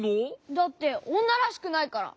だっておんならしくないから！